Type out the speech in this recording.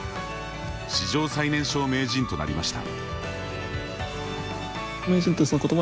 史上最年少名人となりました。